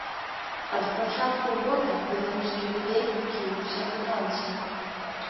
Ад пачатку года беларускі рубель кінуўся ў танцы.